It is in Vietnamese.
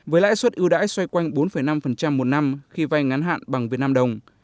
với lãi suất ưu đãi xoay quanh bốn năm một năm khi vay ngắn hạn bằng việt nam đồng